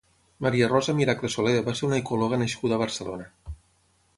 Maria Rosa Miracle Solé va ser una ecòloga nascuda a Barcelona.